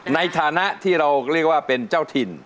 ในฐานะที่เราเรียกว่าเป็นเจ้าถิ่น